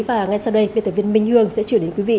và ngay sau đây viên tài viên minh hương sẽ chuyển đến quý vị